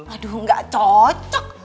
aduh gak cocok